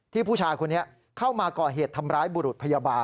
ผู้ชายคนนี้เข้ามาก่อเหตุทำร้ายบุรุษพยาบาล